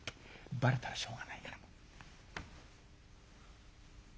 バレたらしょうがない」。